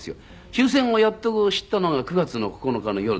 終戦をやっとこ知ったのが９月の９日の夜でした。